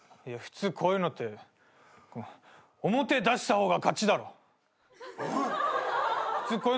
いや普通こういうのって表出した方が勝ちだろ。